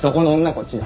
こっちだ。